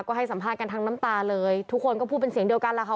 ก็ให้สัมภาษณ์กันทั้งน้ำตาเลยทุกคนก็พูดเป็นเสียงเดียวกันล่ะค่ะ